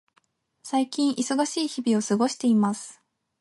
最近、忙しい日々を過ごしています。